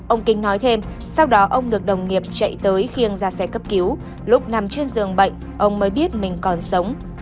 ông kính nói thêm sau đó ông được đồng nghiệp chạy tới khiêng ra xe cấp cứu lúc nằm trên giường bệnh ông mới biết mình còn sống